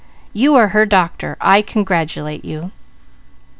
You are her doctor. I congratulate you!"